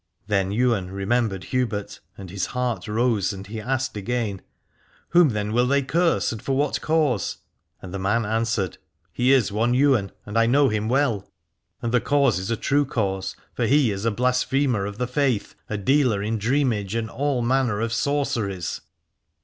Then Ywain remembered Hubert, and his heart rose and he asked again : Whom then will they curse and for what cause ? And the man answered : He is one Ywain, and I know him well : and 309 Alad ore the cause is a true cause, for he is a blas phemer of the faith, a dealer in dreamage and all manner of sorceries.